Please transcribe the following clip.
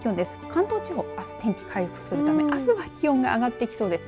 関東地方、あす天気回復するため気温が上がってきそうです。